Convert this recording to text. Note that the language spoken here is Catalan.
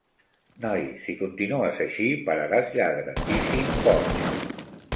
Noi, si continues així, pararàs lladre, tísic, boig.